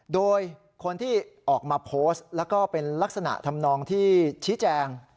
โดยคนที่ออกมาโพสต์แล้วก็เป็นลักษณะทำนองที่ชี้แจง